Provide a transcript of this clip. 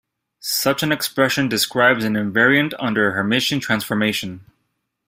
Such an expression describes an invariant under a Hermitian transformation.